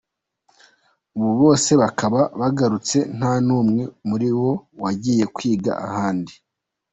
Ubu bose bakaba bagarutse nta n’umwe muri bo wagiye kwiga ahandi.